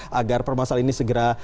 agar permasalahan ini segera